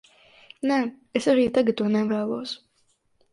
Nē, es arī tagad to nevēlos.